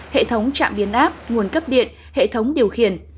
hệ thống trạm biến áp nguồn cấp điện hệ thống điều khiển